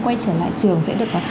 quay trở lại trường sẽ được